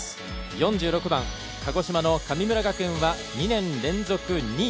４６番、鹿児島の神村学園は２年連続２位。